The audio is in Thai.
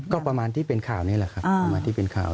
ก็ประมาณที่เป็นข่าวนี้แหละครับประมาณที่เป็นข่าว